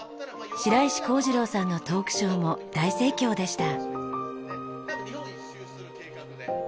白石康次郎さんのトークショーも大盛況でした。